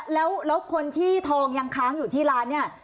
แล้วคนที่ทองยังค้างอยู่ที่ร้านเนี่ย